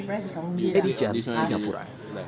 eddie jant singapura